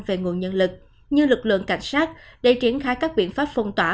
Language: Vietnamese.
về nguồn nhân lực như lực lượng cảnh sát để triển khai các biện pháp phong tỏa